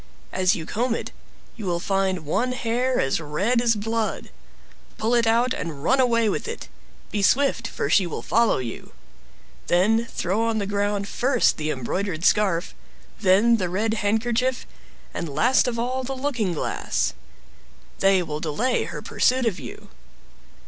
As you comb it, you will find one hair as red as blood; pull it out, and run away with it. Be swift, for she will follow you. Then throw on the ground, first the embroidered scarf, then the red handkerchief, and last of all the looking glass; they will delay her pursuit of you.